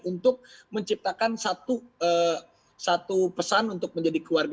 untuk menciptakan satu pesan untuk menjadi keluarga